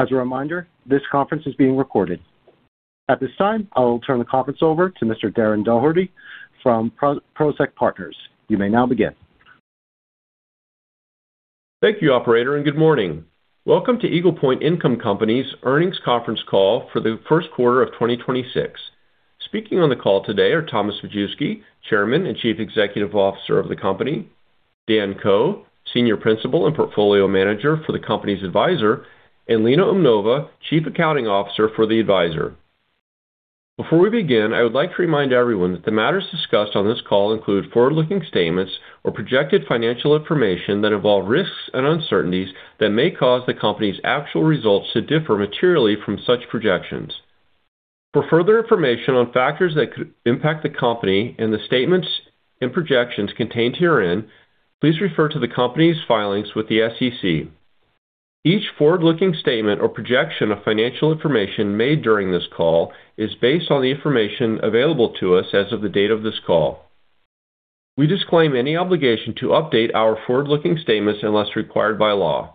As a reminder, this conference is being recorded. At this time, I will turn the conference over to Mr. Darren Daugherty from Prosek Partners. You may now begin. Thank you, operator, and good morning. Welcome to Eagle Point Income Company's earnings conference call for the first quarter of 2026. Speaking on the call today are Thomas Majewski, Chairman and Chief Executive Officer of the company, Dan Ko, Senior Principal and Portfolio Manager for the company's advisor, and Lena Umnova, Chief Accounting Officer for the advisor. Before we begin, I would like to remind everyone that the matters discussed on this call include forward-looking statements or projected financial information that involve risks and uncertainties that may cause the company's actual results to differ materially from such projections. For further information on factors that could impact the company and the statements and projections contained herein, please refer to the company's filings with the SEC. Each forward-looking statement or projection of financial information made during this call is based on the information available to us as of the date of this call. We disclaim any obligation to update our forward-looking statements unless required by law.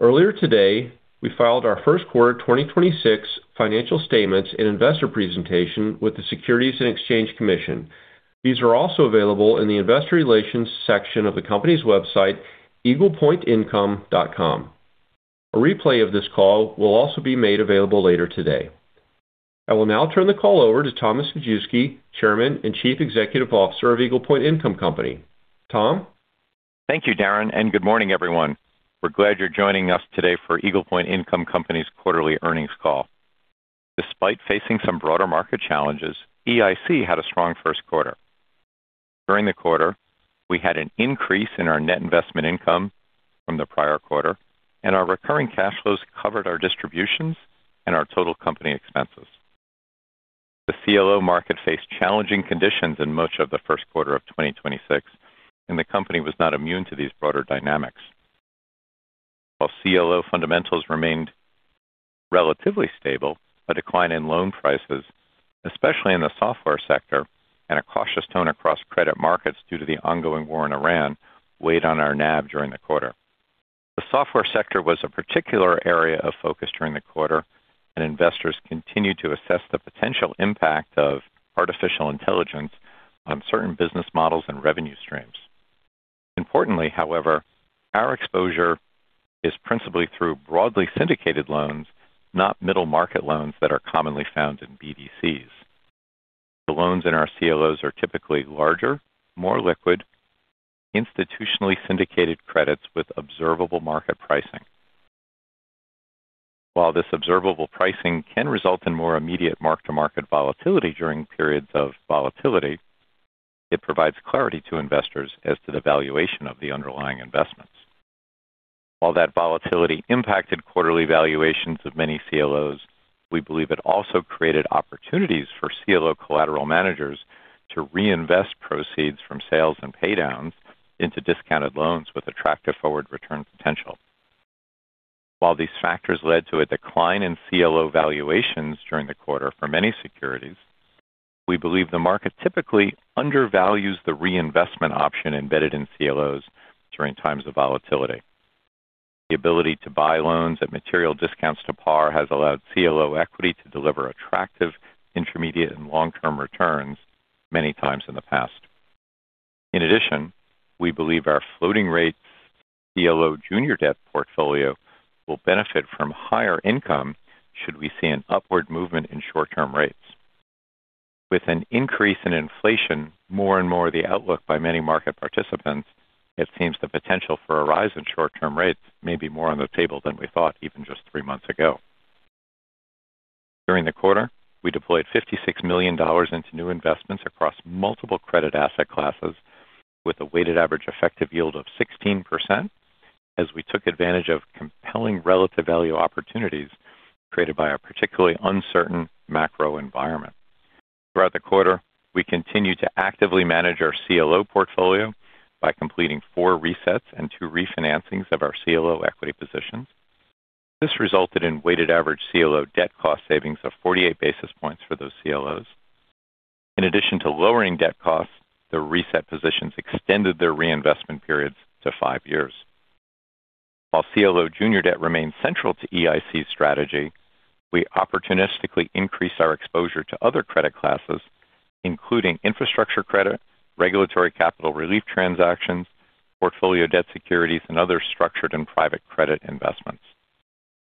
Earlier today, we filed our first quarter 2026 financial statements and investor presentation with the Securities and Exchange Commission. These are also available in the investor relations section of the company's website, eaglepointincome.com. A replay of this call will also be made available later today. I will now turn the call over to Thomas Majewski, Chairman and Chief Executive Officer of Eagle Point Income Company. Tom? Thank you, Darren. Good morning, everyone. We're glad you're joining us today for Eagle Point Income Company's quarterly earnings call. Despite facing some broader market challenges, EIC had a strong first quarter. During the quarter, we had an increase in our net investment income from the prior quarter. Our recurring cash flows covered our distributions and our total company expenses. The CLO market faced challenging conditions in much of the first quarter of 2026. The company was not immune to these broader dynamics. While CLO fundamentals remained relatively stable, a decline in loan prices, especially in the software sector, and a cautious tone across credit markets due to the ongoing war in Iran weighed on our NAV during the quarter. The software sector was a particular area of focus during the first quarter, and investors continued to assess the potential impact of artificial intelligence on certain business models and revenue streams. Importantly, however, our exposure is principally through broadly syndicated loans, not middle-market loans that are commonly found in BDCs. The loans in our CLOs are typically larger, more liquid, institutionally syndicated credits with observable market pricing. While this observable pricing can result in more immediate mark-to-market volatility during periods of volatility, it provides clarity to investors as to the valuation of the underlying investments. While that volatility impacted quarterly valuations of many CLOs, we believe it also created opportunities for CLO collateral managers to reinvest proceeds from sales and pay downs into discounted loans with attractive forward return potential. While these factors led to a decline in CLO valuations during the quarter for many securities, we believe the market typically undervalues the reinvestment option embedded in CLOs during times of volatility. The ability to buy loans at material discounts to par has allowed CLO equity to deliver attractive intermediate and long-term returns many times in the past. In addition, we believe our floating rates CLO junior debt portfolio will benefit from higher income should we see an upward movement in short-term rates. With an increase in inflation more and more the outlook by many market participants, it seems the potential for a rise in short-term rates may be more on the table than we thought even just three months ago. During the quarter, we deployed $56 million into new investments across multiple credit asset classes with a weighted average effective yield of 16% as we took advantage of compelling relative value opportunities created by a particularly uncertain macro environment. Throughout the quarter, we continued to actively manage our CLO portfolio by completing four resets and two refinancings of our CLO equity positions. This resulted in weighted average CLO debt cost savings of 48 basis points for those CLOs. In addition to lowering debt costs, the reset positions extended their reinvestment periods to five years. While CLO junior debt remains central to EIC's strategy, we opportunistically increase our exposure to other credit classes, including infrastructure credit, regulatory capital relief transactions, portfolio debt securities, and other structured and private credit investments.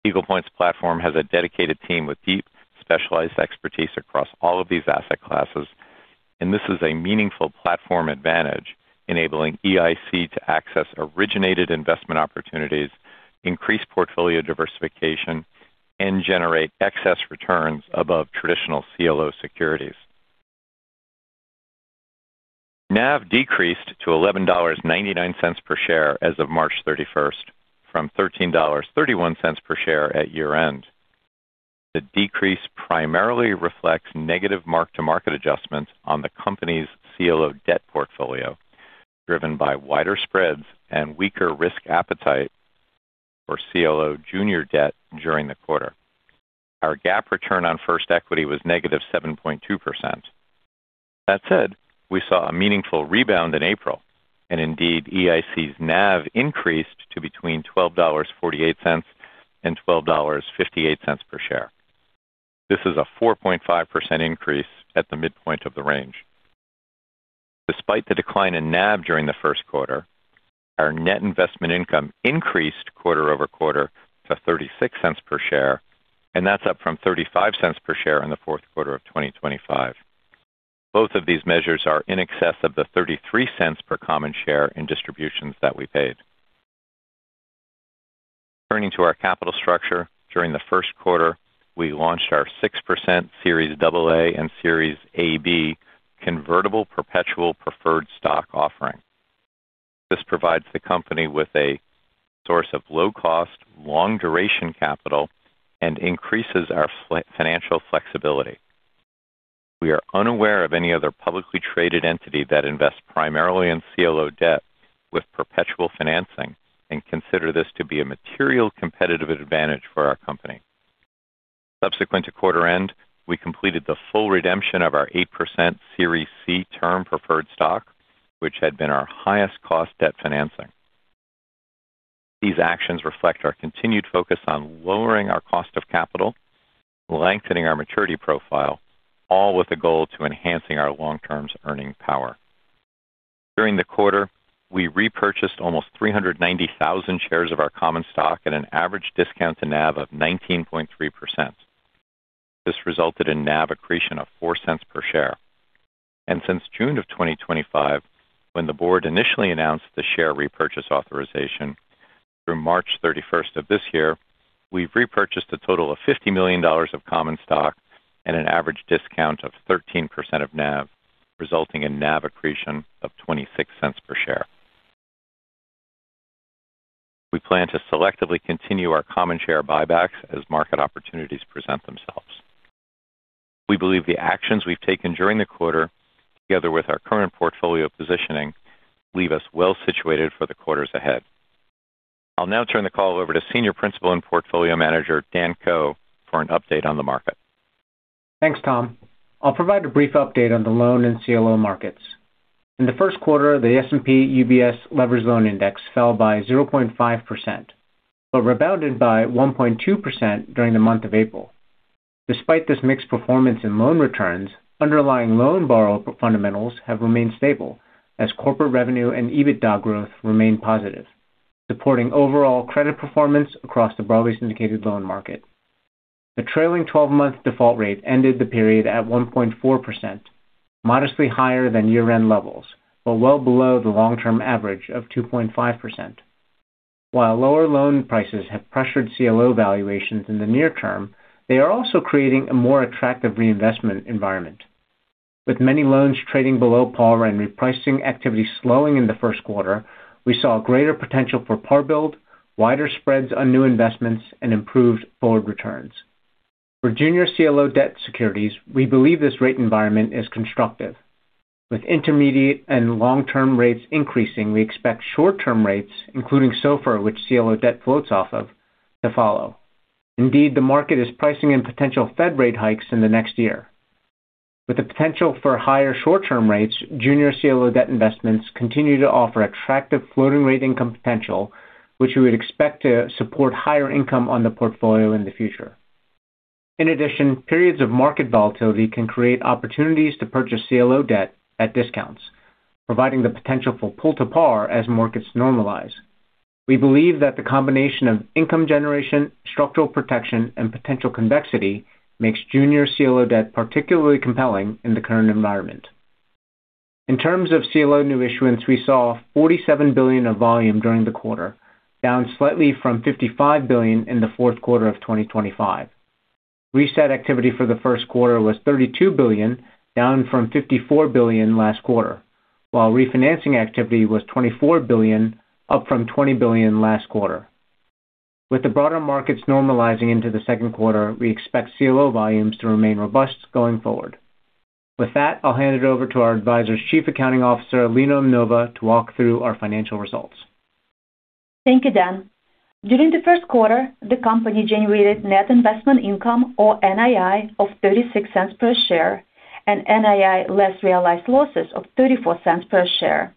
Eagle Point's platform has a dedicated team with deep, specialized expertise across all of these asset classes, and this is a meaningful platform advantage enabling EIC to access originated investment opportunities, increase portfolio diversification, and generate excess returns above traditional CLO securities. NAV decreased to $11.99 per share as of March 31st from $13.31 per share at year-end. The decrease primarily reflects negative mark-to-market adjustments on the company's CLO debt portfolio, driven by wider spreads and weaker risk appetite for CLO junior debt during the quarter. Our GAAP return on first equity was -7.2%. That said, we saw a meaningful rebound in April, and indeed, EIC's NAV increased to between $12.48 and $12.58 per share. This is a 4.5% increase at the midpoint of the range. Despite the decline in NAV during the first quarter, our net investment income increased quarter-over-quarter to $0.36 per share. That's up from $0.35 per share in the fourth quarter of 2025. Both of these measures are in excess of the $0.33 per common share in distributions that we paid. Turning to our capital structure, during the first quarter, we launched our 6% Series AA and Series AB convertible perpetual preferred stock offering. This provides the company with a source of low-cost, long-duration capital and increases our financial flexibility. We are unaware of any other publicly traded entity that invests primarily in CLO debt with perpetual financing and consider this to be a material competitive advantage for our company. Subsequent to quarter end, we completed the full redemption of our 8% Series C Term Preferred Stock, which had been our highest cost debt financing. These actions reflect our continued focus on lowering our cost of capital, lengthening our maturity profile, all with the goal to enhancing our long-term's earning power. During the quarter, we repurchased almost 390,000 shares of our common stock at an average discount to NAV of 19.3%. This resulted in NAV accretion of $0.04 per share. Since June of 2025, when the board initially announced the share repurchase authorization, through March 31st of this year, we've repurchased a total of $50 million of common stock at an average discount of 13% of NAV, resulting in NAV accretion of $0.26 per share. We plan to selectively continue our common share buybacks as market opportunities present themselves. We believe the actions we've taken during the quarter, together with our current portfolio positioning, leave us well-situated for the quarters ahead. I'll now turn the call over to Senior Principal and Portfolio Manager Dan Ko for an update on the market. Thanks, Tom. I'll provide a brief update on the loan and CLO markets. In the first quarter, the S&P/LSTA Leveraged Loan Index fell by 0.5%, rebounded by 1.2% during the month of April. Despite this mixed performance in loan returns, underlying loan borrower fundamentals have remained stable as corporate revenue and EBITDA growth remain positive, supporting overall credit performance across the broadly syndicated loan market. The trailing 12-month default rate ended the period at 1.4%, modestly higher than year-end levels, well below the long-term average of 2.5%. While lower loan prices have pressured CLO valuations in the near term, they are also creating a more attractive reinvestment environment. With many loans trading below par and repricing activity slowing in the first quarter, we saw a greater potential for par build, wider spreads on new investments, and improved forward returns. For junior CLO debt securities, we believe this rate environment is constructive. With intermediate and long-term rates increasing, we expect short-term rates, including SOFR, which CLO debt floats off of, to follow. Indeed, the market is pricing in potential Fed rate hikes in the next year. With the potential for higher short-term rates, junior CLO debt investments continue to offer attractive floating rate income potential, which we would expect to support higher income on the portfolio in the future. In addition, periods of market volatility can create opportunities to purchase CLO debt at discounts, providing the potential for pull to par as markets normalize. We believe that the combination of income generation, structural protection, and potential convexity makes junior CLO debt particularly compelling in the current environment. In terms of CLO new issuance, we saw $47 billion of volume during the quarter, down slightly from $55 billion in the fourth quarter of 2025. Reset activity for the first quarter was $32 billion, down from $54 billion last quarter, while refinancing activity was $24 billion, up from $20 billion last quarter. With the broader markets normalizing into the second quarter, we expect CLO volumes to remain robust going forward. With that, I'll hand it over to our advisor's Chief Accounting Officer, Lena Umnova, to walk through our financial results. Thank you, Dan. During the first quarter, the company generated net investment income or NII of $0.36 per share and NII less realized losses of $0.34 per share.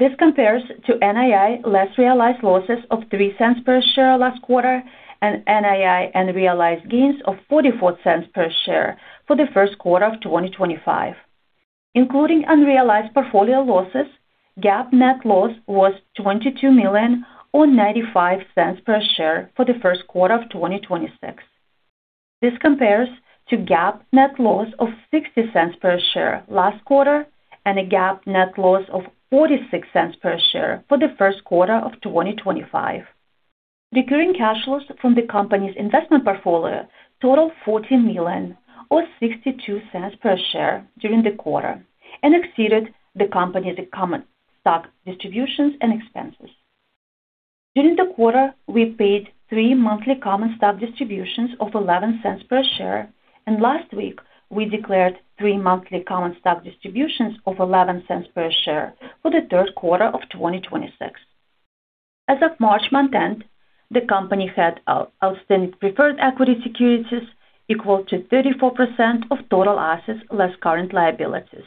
This compares to NII less realized losses of $0.03 per share last quarter and NII and realized gains of $0.44 per share for the first quarter of 2025. Including unrealized portfolio losses, GAAP net loss was $22 million or $0.95 per share for the first quarter of 2026. This compares to GAAP net loss of $0.60 per share last quarter and a GAAP net loss of $0.46 per share for the first quarter of 2025. Recurring cash flows from the company's investment portfolio totaled $14 million or $0.62 per share during the quarter and exceeded the company's common stock distributions and expenses. During the quarter, we paid three monthly common stock distributions of $0.11 per share, and last week we declared three monthly common stock distributions of $0.11 per share for the third quarter of 2026. As of March month end, the company had outstanding preferred equity securities equal to 34% of total assets less current liabilities,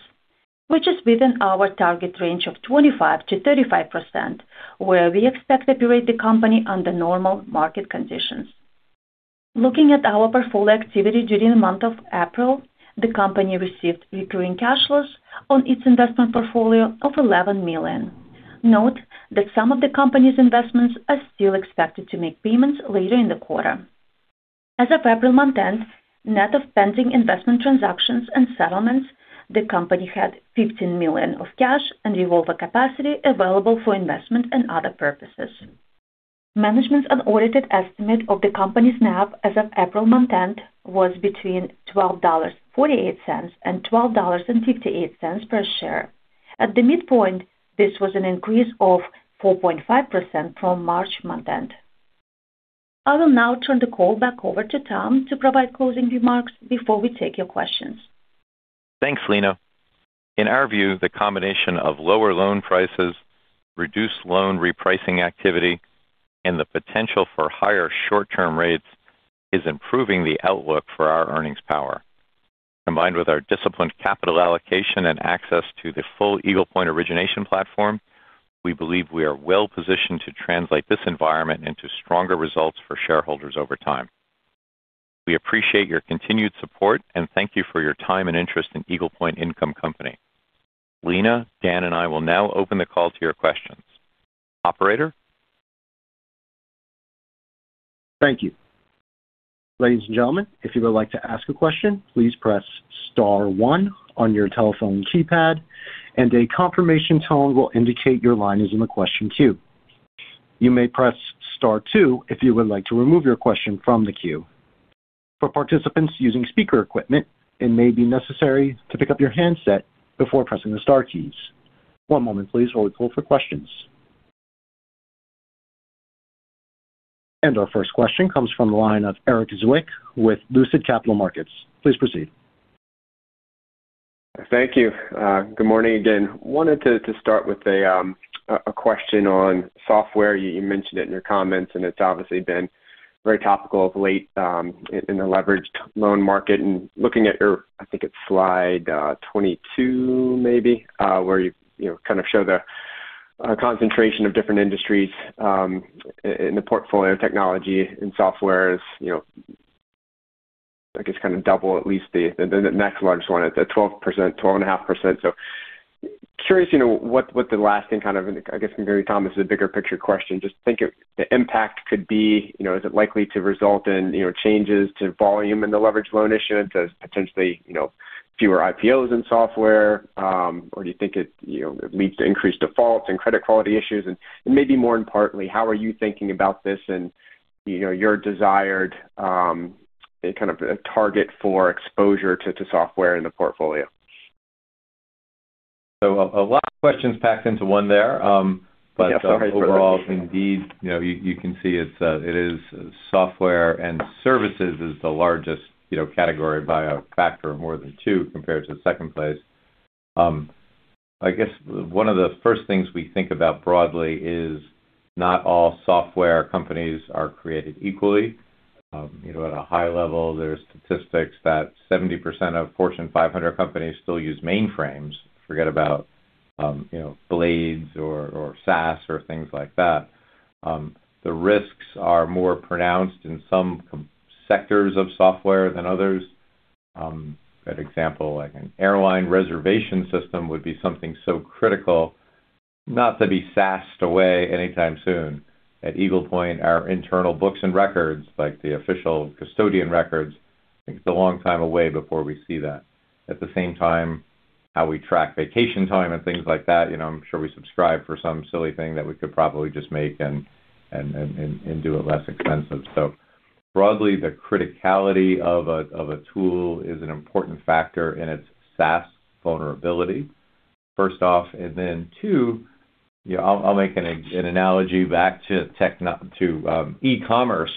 which is within our target range of 25%-35%, where we expect to operate the company under normal market conditions. Looking at our portfolio activity during the month of April, the company received recurring cash flows on its investment portfolio of $11 million. Note that some of the company's investments are still expected to make payments later in the quarter. As of April month end, net of pending investment transactions and settlements, the company had $15 million of cash and revolver capacity available for investment and other purposes. Management's unaudited estimate of the company's NAV as of April month end was between $12.48 and $12.58 per share. At the midpoint, this was an increase of 4.5% from March month end. I will now turn the call back over to Tom to provide closing remarks before we take your questions. Thanks, Lena. In our view, the combination of lower loan prices, reduced loan repricing activity, and the potential for higher short-term rates is improving the outlook for our earnings power. Combined with our disciplined capital allocation and access to the full Eagle Point origination platform, we believe we are well-positioned to translate this environment into stronger results for shareholders over time. We appreciate your continued support, and thank you for your time and interest in Eagle Point Income Company. Lena, Dan, and I will now open the call to your questions. Operator? Thank you. Ladies and gentlemen, if you would like to ask a question, please press star one on your telephone keypad, and a confirmation tone will indicate your line is in the question queue. You may press star two if you would like to remove your question from the queue. For participants using speaker equipment, it may be necessary to pick up your handset before pressing the star keys. One moment please while we call for questions. Our first question comes from the line of Erik Zwick with Lucid Capital Markets. Please proceed. Thank you. Good morning again. Wanted to start with a question on software. You mentioned it in your comments, and it's obviously been very topical of late in the leveraged loan market. Looking at your, I think it's slide 22 maybe, where you know, kind of show the concentration of different industries in the portfolio, technology and software. You know, I guess kind of double at least the next largest one at the 12%, 12.5%. Curious, you know, what the lasting kind of and I guess maybe, Thomas, this is a bigger picture question. Just think if the impact could be, you know, is it likely to result in, you know, changes to volume in the leveraged loan issuance as potentially, you know, fewer IPOs in software? Do you think it, you know, leads to increased defaults and credit quality issues? Maybe more importantly, how are you thinking about this and, you know, your desired kind of a target for exposure to software in the portfolio? A lot of questions packed into one there. Yeah, sorry for that. Overall, indeed, you know, you can see it's, it is software and services is the largest, you know, category by a factor of more than two compared to the second place. I guess one of the first things we think about broadly is not all software companies are created equally. You know, at a high level, there's statistics that 70% of Fortune 500 companies still use mainframes. Forget about, you know, blades or SaaS or things like that. The risks are more pronounced in some sectors of software than others. A good example, like an airline reservation system would be something so critical not to be SaaS-ed away anytime soon. At Eagle Point, our internal books and records, like the official custodian records, I think it's a long time away before we see that. At the same time, how we track vacation time and things like that, you know, I'm sure we subscribe for some silly thing that we could probably just make and do it less expensive. Broadly, the criticality of a tool is an important factor in its SaaS vulnerability, first off. Then two, you know, I'll make an analogy back to techno- to e-commerce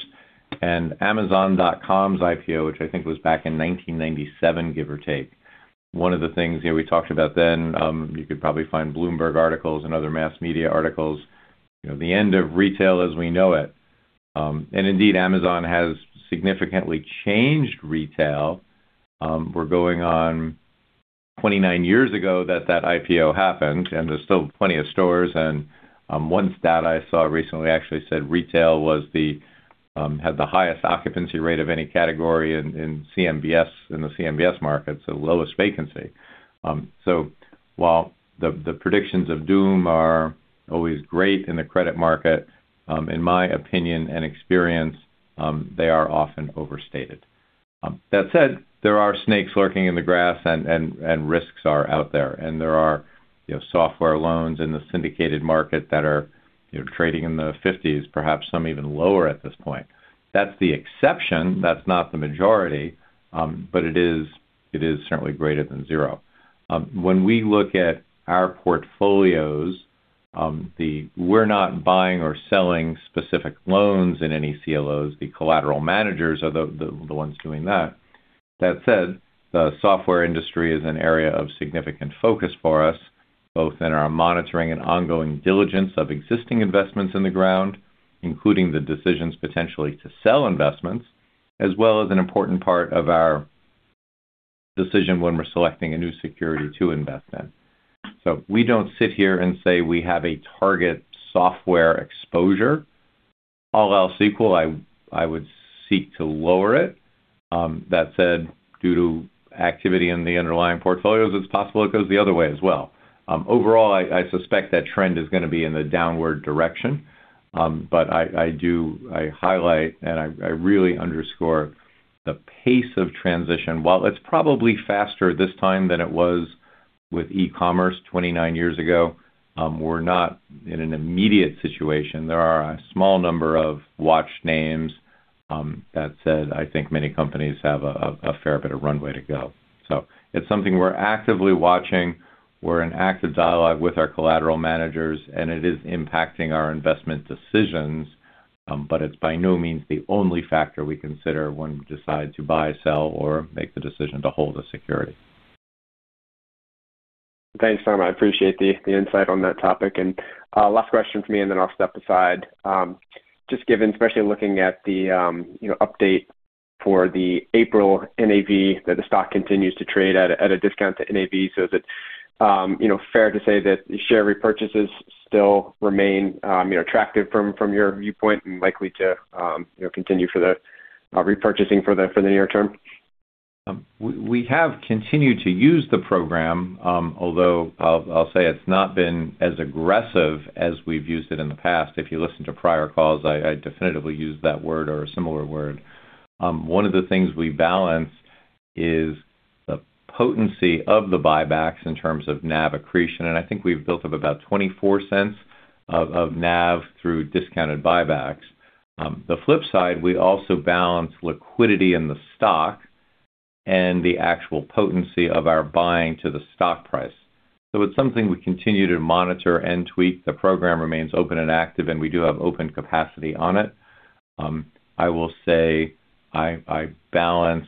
and amazon.com's IPO, which I think was back in 1997, give or take. One of the things, you know, we talked about then, you could probably find Bloomberg articles and other mass media articles, you know, the end of retail as we know it. Indeed, Amazon has significantly changed retail. We're going on 29 years ago that that IPO happened, and there's still plenty of stores. One stat I saw recently actually said retail was had the highest occupancy rate of any category in CMBS, in the CMBS markets, the lowest vacancy. While the predictions of doom are always great in the credit market, in my opinion and experience, they are often overstated. That said, there are snakes lurking in the grass and risks are out there. There are, you know, software loans in the syndicated market that are, you know, trading in the 50s, perhaps some even lower at this point. That's the exception. That's not the majority. It is certainly greater than 0. When we look at our portfolios, we're not buying or selling specific loans in any CLOs. The collateral managers are the ones doing that. That said, the software industry is an area of significant focus for us, both in our monitoring and ongoing diligence of existing investments in the ground, including the decisions potentially to sell investments, as well as an important part of our decision when we're selecting a new security to invest in. We don't sit here and say we have a target software exposure. All else equal, I would seek to lower it. That said, due to activity in the underlying portfolios, it's possible it goes the other way as well. Overall, I suspect that trend is gonna be in the downward direction. But I highlight and I really underscore the pace of transition. While it's probably faster this time than it was with e-commerce 29 years ago, we're not in an immediate situation. There are a small number of watch names. That said, I think many companies have a fair bit of runway to go. It's something we're actively watching. We're in active dialogue with our collateral managers, and it is impacting our investment decisions, but it's by no means the only factor we consider when we decide to buy, sell, or make the decision to hold a security. Thanks, Tom. I appreciate the insight on that topic. Last question from me, then I'll step aside. Just given, especially looking at the, you know, update for the April NAV, that the stock continues to trade at a discount to NAV. Is it, you know, fair to say that the share repurchases still remain, you know, attractive from your viewpoint and likely to, you know, continue for the repurchasing for the near term? We have continued to use the program, although I'll say it's not been as aggressive as we've used it in the past. If you listen to prior calls, I definitively use that word or a similar word. One of the things we balance is the potency of the buybacks in terms of NAV accretion, and I think we've built up about $0.24 of NAV through discounted buybacks. The flip side, we also balance liquidity in the stock and the actual potency of our buying to the stock price. It's something we continue to monitor and tweak. The program remains open and active, and we do have open capacity on it. I will say I balance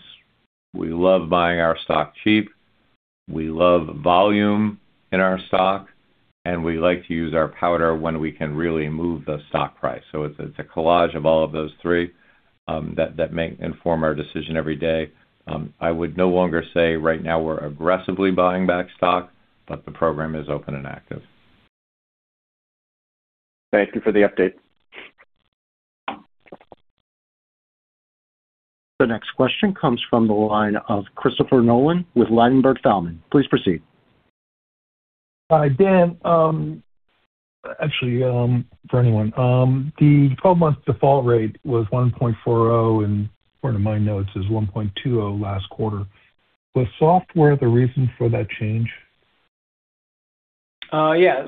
We love buying our stock cheap, we love volume in our stock, and we like to use our powder when we can really move the stock price. It's a collage of all of those three that may inform our decision every day. I would no longer say right now we're aggressively buying back stock, but the program is open and active. Thank you for the update. The next question comes from the line of Christopher Nolan with Ladenburg Thalmann. Please proceed. Hi, Dan. Actually, for anyone. The 12-month default rate was 1.40, and part of my notes is 1.20 last quarter. Was software the reason for that change? Yeah.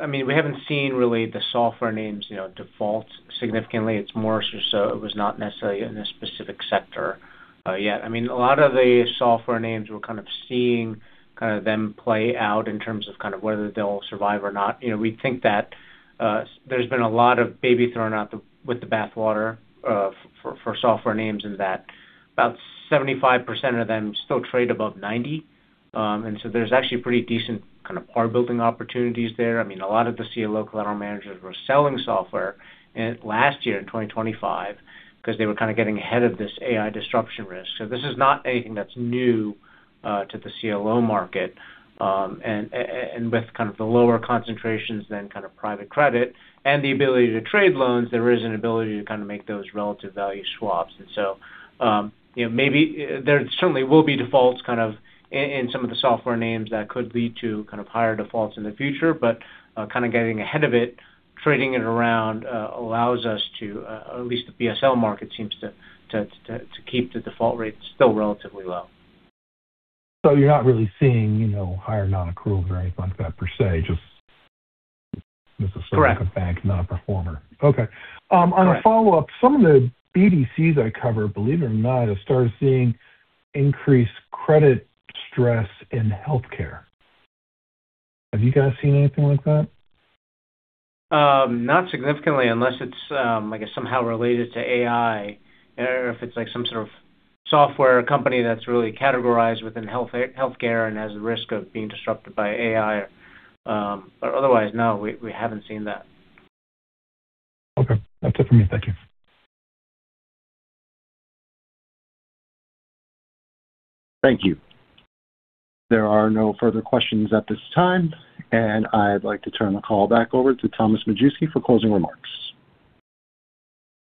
I mean, we haven't seen really the software names, you know, default significantly. It's more so it was not necessarily in a specific sector yet. I mean, a lot of the software names we're kind of seeing kind of them play out in terms of kind of whether they'll survive or not. You know, we think that there's been a lot of baby thrown out with the bath water for software names and that about 75% of them still trade above 90. There's actually pretty decent kind of par building opportunities there. I mean, a lot of the CLO collateral managers were selling software last year in 2025 'cause they were kinda getting ahead of this AI disruption risk. This is not anything that's new to the CLO market. And with kind of the lower concentrations than kind of private credit and the ability to trade loans, there is an ability to kinda make those relative value swaps. You know, maybe, there certainly will be defaults kind of in some of the software names that could lead to kind of higher defaults in the future, but, kinda getting ahead of it, trading it around, allows us to, at least the BSL market seems to keep the default rates still relatively low. You're not really seeing, you know, higher non-accruals or anything like that per se, just necessarily. Correct. A bank non-performer. Okay. On a follow-up, some of the BDCs I cover, believe it or not, have started seeing increased credit stress in healthcare. Have you guys seen anything like that? Not significantly, unless it's, I guess, somehow related to AI. You know, if it's like some sort of software company that's really categorized within healthcare and has the risk of being disrupted by AI, but otherwise, no, we haven't seen that. Okay. That's it for me. Thank you. Thank you. There are no further questions at this time. I'd like to turn the call back over to Thomas Majewski for closing remarks.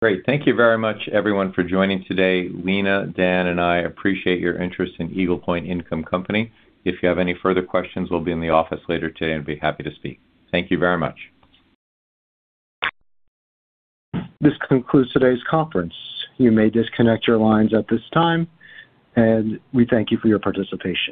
Great. Thank you very much, everyone, for joining today. Lena, Dan, and I appreciate your interest in Eagle Point Income Company. If you have any further questions, we'll be in the office later today and be happy to speak. Thank you very much. This concludes today's conference. You may disconnect your lines at this time, and we thank you for your participation.